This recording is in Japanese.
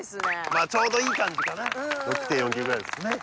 まあちょうどいい感じかな６．４ｋｍぐらいですね